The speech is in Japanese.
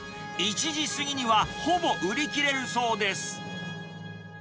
１時過ぎにはほぼ売り切れるそうです。